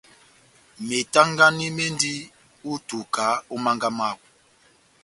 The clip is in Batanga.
Metangani mendi ó ituka ó mánga mawú.